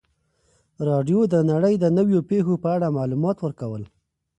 راډیو د نړۍ د نویو پیښو په اړه معلومات ورکول.